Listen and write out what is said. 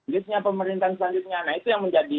gate nya pemerintahan selanjutnya nah itu yang menjadi